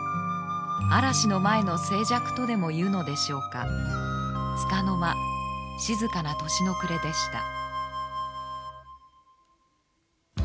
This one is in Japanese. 嵐の前の静寂とでもいうのでしょうかつかの間静かな年の暮れでした。